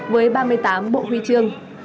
với ba mươi tám bộ huy trương